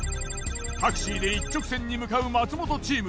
タクシーで一直線に向かう松本チーム